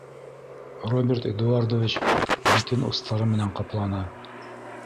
- Роберт Эдуардович битен устары менән капланы.